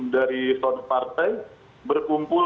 dari son partai berkumpul